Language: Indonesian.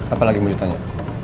apa lagi mau ditanya